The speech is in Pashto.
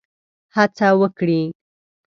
هڅه وکړي.